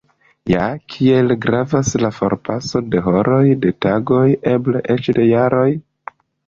Ja, kiel gravas la forpaso de horoj, de tagoj, eble eĉ de jaroj?